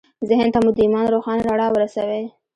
ذهن ته مو د ایمان روښانه رڼا ورسوئ